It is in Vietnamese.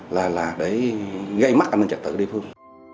là là để gây mắc an ninh trật tự địa phương